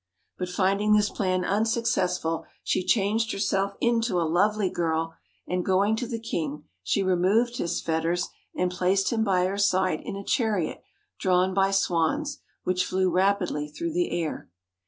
But finding this plan unsuccessful, she changed herself into a lovely girl, and going to the king she removed his fetters, and placed him by her side in a chariot drawn by swans, which flew rapidly through the air.